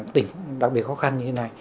tỉnh đặc biệt khó khăn như thế này